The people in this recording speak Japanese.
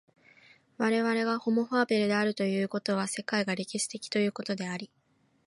我々がホモ・ファーベルであるということは、世界が歴史的ということであり、